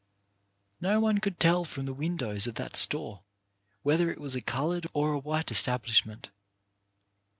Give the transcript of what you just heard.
No one could tell from the windows of that store whether it was a coloured or a white establishment.